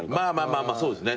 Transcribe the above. まあまあそうですね。